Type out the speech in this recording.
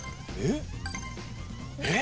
えっ？